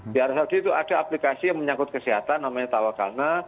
di arab saudi itu ada aplikasi yang menyangkut kesehatan namanya tawakalna